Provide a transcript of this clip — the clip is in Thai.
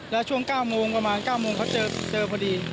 แล้วช่วง๙โมงประมาณ๙โมงเขาเจอพอดี